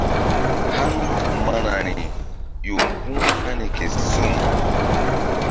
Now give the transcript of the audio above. Haŋ manari ƴo mbu̧h hani ke suŋ.